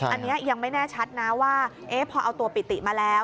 อันนี้ยังไม่แน่ชัดนะว่าพอเอาตัวปิติมาแล้ว